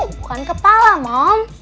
bukan kepala mom